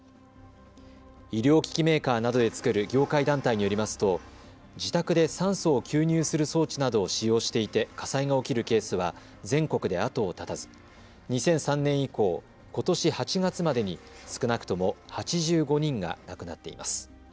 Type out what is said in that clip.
医療機器メーカーなどで作る業界団体によりますと自宅で酸素を吸入する装置などを使用していて火災が起きるケースは全国で後を絶たず２００３年以降、ことし８月までに少なくとも８５人が亡くなっています。